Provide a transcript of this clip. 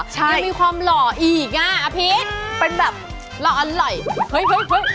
ยังมีความหล่ออีกอะอภิษเป็นแบบหรออันไหร่เห้ย